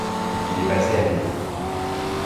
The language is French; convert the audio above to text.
Il est basée à Delhi.